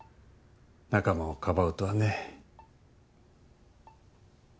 仲間をかばうとはね。